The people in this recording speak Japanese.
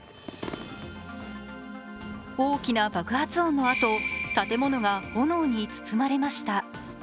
大きな爆発音のあと、建物が炎に包まれました。